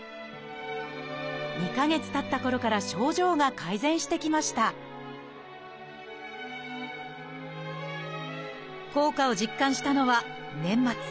２か月たったころから症状が改善してきました効果を実感したのは年末。